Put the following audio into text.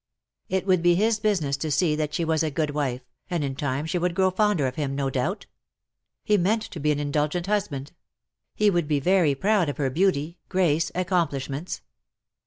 It would be his business to see that she was a good wife, and in time she would grow fonder of him, no doubt. He meant to be an indulgent husband. He would be very proud of her beauty, grace, accomplishments.